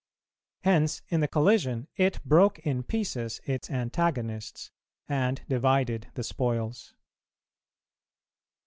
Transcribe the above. Hence, in the collision, it broke in pieces its antagonists, and divided the spoils.